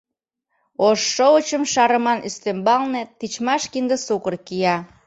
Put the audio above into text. ...Ош шовычым шарыман ӱстембалне тичмаш кинде сукыр кия.